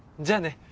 じゃあね。